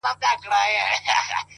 • ډېوې پوري ـ